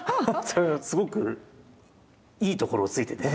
すごくいいところをついてて。